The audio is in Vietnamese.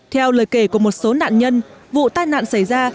theo lời kể của một số nạn nhân vụ tai nạn xảy ra